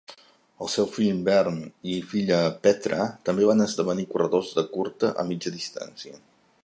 El seu fill Bernd i filla Petra també van esdevenir corredors de curta a mitja distància.